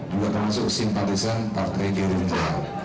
juga termasuk simpatisan partai gerindra